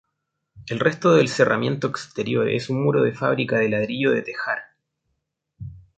El resto del cerramiento exterior es un muro de fábrica de ladrillo de tejar.